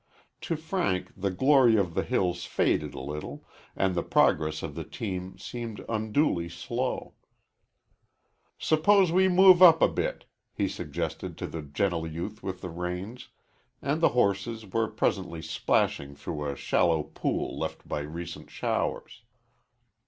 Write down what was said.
To Frank the glory of the hills faded a little, and the progress of the team seemed unduly slow. "Suppose we move up a bit," he suggested to the gentle youth with the reins, and the horses were presently splashing through a shallow pool left by recent showers.